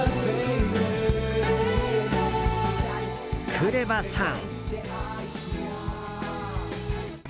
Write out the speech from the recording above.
ＫＲＥＶＡさん。